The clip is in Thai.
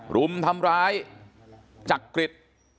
รุมทำร้ายจักริต